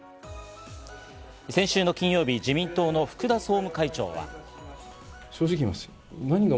先週金曜日、自民党の福田総務会長は。